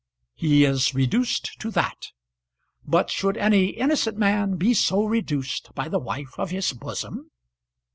He is reduced to that! But should any innocent man be so reduced by the wife of his bosom?